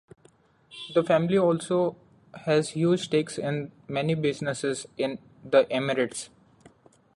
The family also has huge stakes in many businesses in the Emirates.